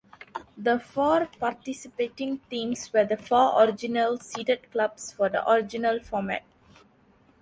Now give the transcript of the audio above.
The four participating teams were the four original seeded clubs for the original format.